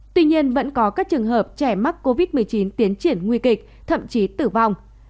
tuy nhiên vẫn có các trường hợp trẻ mắc covid một mươi chín tiến triển nguy kịch thậm chí tử vong